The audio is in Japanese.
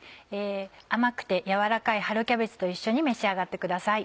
甘くて柔らかい春キャベツと一緒に召し上がってください。